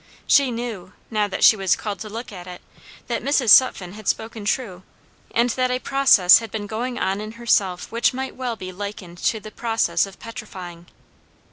She knew, now that she was called to look at it, that Mrs. Sutphen had spoken true, and that a process had been going on in herself which might well be likened to the process of petrifying.